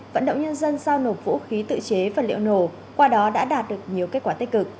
vận động nhân dân giao nộp vũ khí tự chế và liệu nổ qua đó đã đạt được nhiều kết quả tích cực